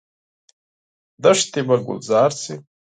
دښتې به ګلزار شي؟